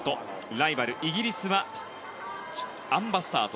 ライバルのイギリスはあん馬スタート。